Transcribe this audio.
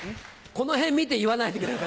この辺見て言わないでくれる？